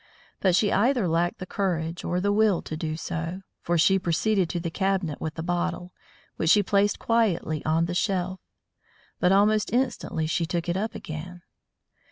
But she either lacked the courage or the will to do so, for she proceeded to the cabinet with the bottle, which she placed quietly on the shelf. But almost instantly she took it up again.